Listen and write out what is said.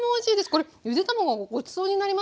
これゆで卵がごちそうになりますね。